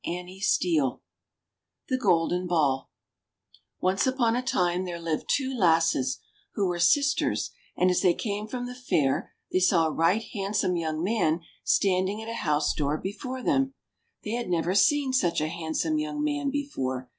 T<C& Bg les Courtysk THE GOLDEN BALL ONCE upon a time there lived two lasses, who were sisters, and as they came from the fair they saw a right handsome young man standing at a house door before them. They had never seen such a handsome young man before.